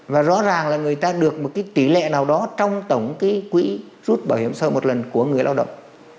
và rõ ràng là người ta được một cái tỷ lệ nào đó trong tổng cái quỹ rút bảo hiểm xã hội một lần của người lao động